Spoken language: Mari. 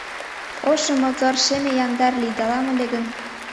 Ошо мотор, шеме яндар лийдалам ыле гын